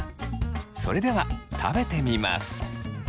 それでは食べてみます。